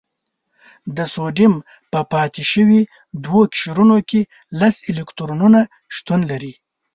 د سوډیم په پاتې شوي دوه قشرونو کې لس الکترونونه شتون لري.